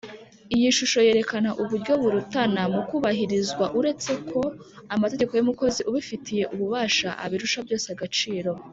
iyishusho yerekana uburyo burutana mukubahirizwa uretse ko amategeko y’umukozi ubifitiye ububasha abirusha byose agaciro